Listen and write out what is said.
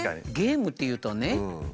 ゲームっていうとねああ